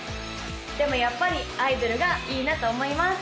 でもやっぱりアイドルがいいなと思います